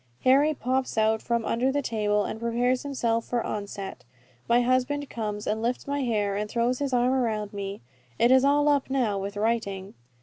Harry pops out from under the table, and prepares himself for onset. My husband comes and lifts my hair, and throws his arm around me. It is all up now with writing.